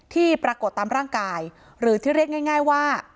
ที่ปรากฏตามร่างกายหรือที่เรียกง่ายว่า